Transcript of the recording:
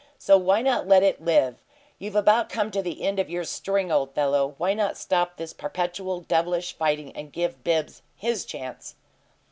And so why not let it live? You've about come to the end of your string, old fellow. Why not stop this perpetual devilish fighting and give Bibbs his chance?"